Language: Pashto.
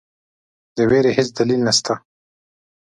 د وېرې هیڅ دلیل نسته.